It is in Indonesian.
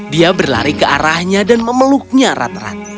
dia berlari ke arahnya dan memeluknya rat rat